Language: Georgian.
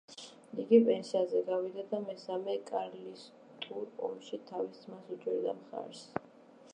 იგი პენსიაზე გავიდა და მესამე კარლისტურ ომში თავის ძმას უჭერდა მხარს.